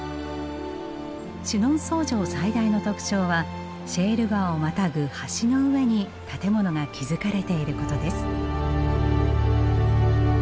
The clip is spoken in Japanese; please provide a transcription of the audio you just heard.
シュノンソー城最大の特徴はシェール川をまたぐ橋の上に建物が築かれていることです。